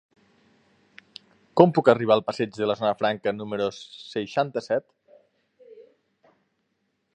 Com puc arribar al passeig de la Zona Franca número seixanta-set?